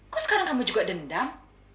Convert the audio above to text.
kok sekarang kamu juga dendam